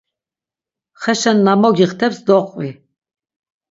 Xeşen na mogixteps doqvi.